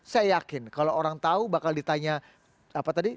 saya yakin kalau orang tahu bakal ditanya apa tadi